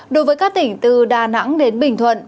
đối với các tỉnh từ đà nẵng đến bình thuận